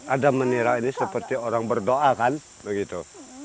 ada menira ini seperti orang berdoa kan begitu